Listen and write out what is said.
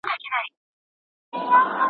هغه پرون ډېر ناوخته ودرېدی.